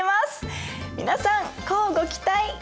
皆さん乞うご期待！